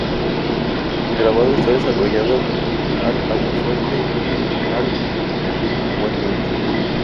El grabado está desarrollado al aguafuerte y al aguatinta.